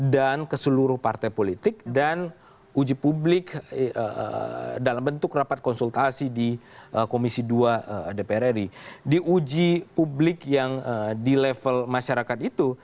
dalam bentuk rapat konsultasi di komisi dua dpr ri di uji publik yang di level masyarakat itu